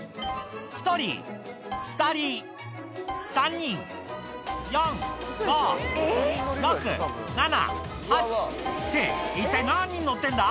１人、２人、３人、４、５、６、７、８、９、一体何人乗ってんだ？